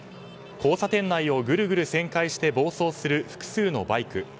交差点内をぐるぐる旋回して暴走する複数のバイク。